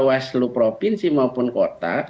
bawaslu provinsi maupun kota